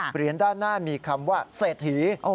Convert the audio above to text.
เหรียญด้านหน้ามีคำว่าเศรษฐี